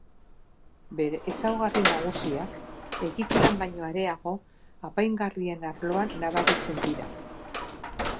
Bere ezaugarri nagusiak, egituran baino areago, apaingarrien arloan nabaritzen dira.